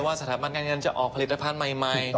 สถาบันการเงินจะออกผลิตภัณฑ์ใหม่